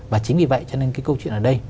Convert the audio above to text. và chính vì vậy cho nên cái câu chuyện ở đây